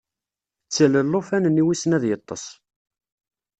Ttel llufan-nni wissen ad yeṭṭes.